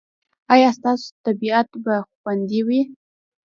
ایا ستاسو طبیعت به خوندي وي؟